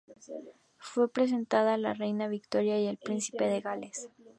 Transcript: Fue presentada a la reina Victoria y al príncipe de Gales.